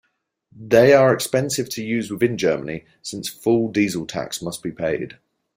They are expensive to use within Germany since full diesel tax must be paid.